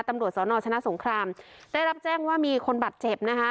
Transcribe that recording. ตำรวจสอนอชนะสงครามได้รับแจ้งว่ามีคนบาดเจ็บนะคะ